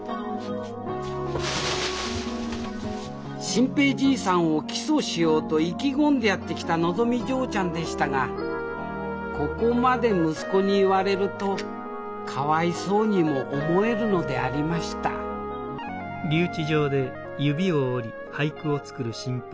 新平じいさんを起訴しようと意気込んでやって来たのぞみ嬢ちゃんでしたがここまで息子に言われるとかわいそうにも思えるのでありましたはい！